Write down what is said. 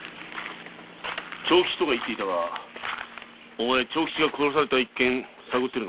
「長吉」とか言っていたが長吉が殺された件を探っているのか？